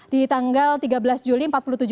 di tanggal tiga belas juli empat puluh tujuh